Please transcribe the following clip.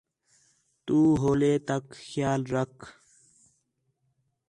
تو ہولے تک خیال رکھ